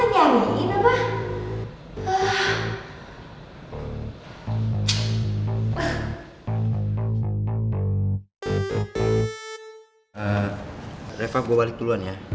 eeeh reva gua balik duluan ya